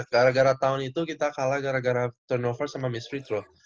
gara gara tahun itu kita kalah gara gara turnover sama miss free tro